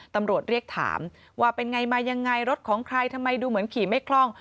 ตำรวจเรียกถามว่าเป็นไงมายังไงรถของใครทำไมดูเหมือนขี่ไม่คล่อง